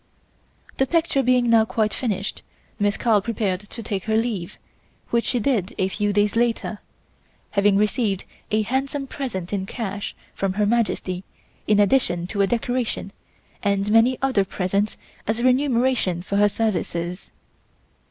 The picture being now quite finished, Miss Carl prepared to take her leave, which she did a few days later, having received a handsome present in cash from Her Majesty in addition to a decoration and many other presents as remuneration for her services.